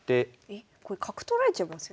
えこれ角取られちゃいますよ。